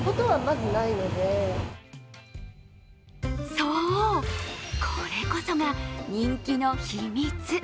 そう、これこそが人気の秘密。